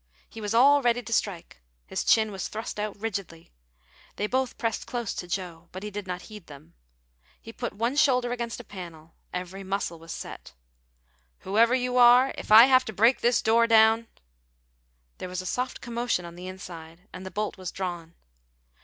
He was all ready to strike. His chin was thrust out rigidly. They both pressed close to Joe, but he did not heed them. He put one shoulder against a panel; every muscle was set. "Whoever you are, if I have to break this door down " There was a soft commotion on the inside and the bolt was drawn.